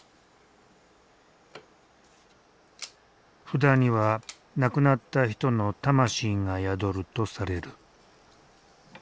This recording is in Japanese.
札には亡くなった人の魂が宿るとされる。